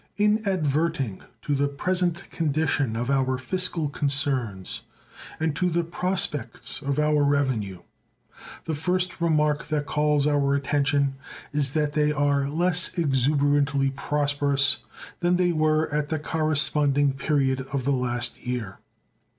In adverting to the present condition of our fiscal concerns and to the prospects of our revenue the first remark that calls our attention is that they are less exuberantly prosperous than they were at the corresponding period of the last year.